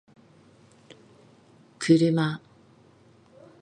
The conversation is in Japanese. kuruma